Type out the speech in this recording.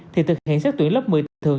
thì thực hiện xét tuyển lớp một mươi thường